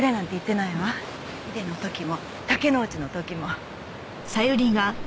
井出の時も竹之内の時も。